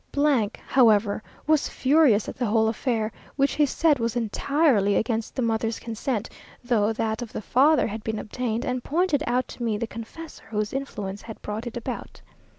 , however, was furious at the whole affair, which he said was entirely against the mother's consent, though that of the father had been obtained; and pointed out to me the confessor whose influence had brought it about.